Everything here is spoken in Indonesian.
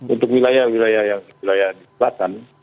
untuk wilayah wilayah yang wilayah di selatan